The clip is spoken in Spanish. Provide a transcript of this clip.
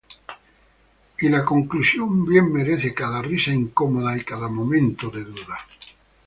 Y la conclusión bien merece cada risa incómoda y cada momento de duda".